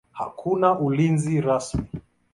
Hakuna ulinzi rasmi.